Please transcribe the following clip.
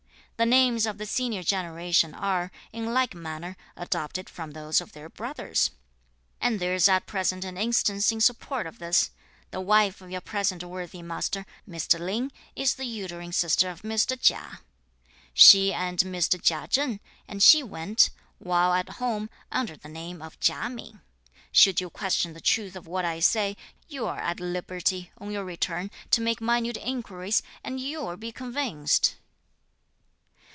The names of the senior generation are, in like manner, adopted from those of their brothers; and there is at present an instance in support of this. The wife of your present worthy master, Mr. Lin, is the uterine sister of Mr. Chia. She and Mr. Chia Cheng, and she went, while at home, under the name of Chia Min. Should you question the truth of what I say, you are at liberty, on your return, to make minute inquiries and you'll be convinced."